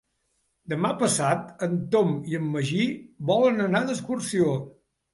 Demà passat en Tom i en Magí volen anar d'excursió.